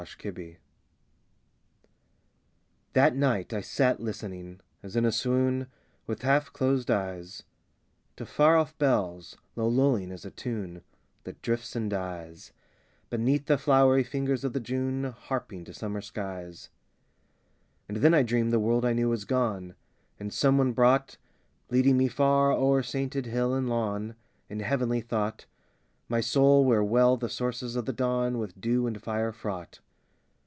THAT NIGHT That night I sat listening, as in a swoon, With half closed eyes, To far off bells, low lulling as a tune That drifts and dies Beneath the flowery fingers of the June Harping to summer skies. And then I dreamed the world I knew was gone, And some one brought, Leading me far o'er sainted hill and lawn, In heavenly thought, My soul where well the sources of the dawn With dew and fire fraught.